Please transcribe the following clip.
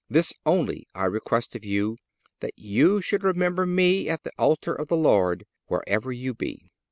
This only I request of you, that you would remember me at the altar of the Lord, wherever you be."